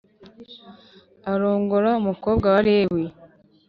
arongora umukobwa wa Lewi